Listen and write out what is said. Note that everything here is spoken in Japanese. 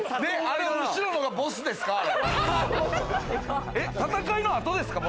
あれ後ろのがボスですか？